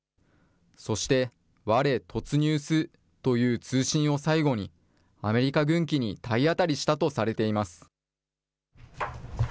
そして、ワレ突入スという通信を最後に、アメリカ軍機に体当たりしたとされています。